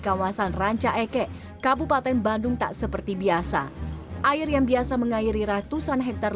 kawasan ranca eke kabupaten bandung tak seperti biasa air yang biasa mengairi ratusan hektare